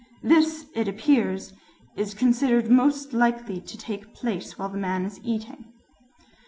This, it appears, is considered most likely to take place while the man is eating."